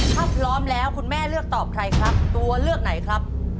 ถ้าพร้อมแล้วคุณแม่เลือกตอบใครครับตัวเลือกไหนครับ